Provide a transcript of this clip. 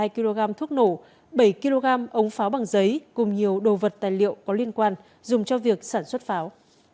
hai kg thuốc nổ bảy kg ống pháo bằng giấy cùng nhiều đồ vật tài liệu có liên quan dùng cho việc sản xuất pháo